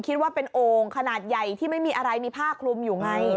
คิดว่าเป็นโอ่งขนาดใหญ่ที่ไม่มีอะไรมีผ้าคลุมอยู่ไง